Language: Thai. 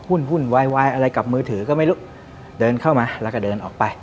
หุ้นวายอะไรกับมือถือก็ไม่รู้เดินเข้ามาแล้วก็เดินออกไป